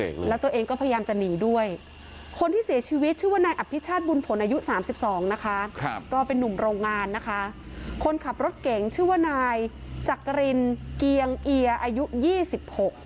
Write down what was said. โรงงานนะคะคนขับรถเก่งชื่อว่านายจักรินเกียงเอียอายุยี่สิบหก